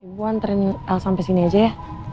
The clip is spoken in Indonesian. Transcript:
gue anterin el sampai sini aja ya